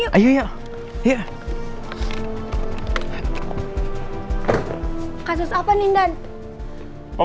makasih ya pak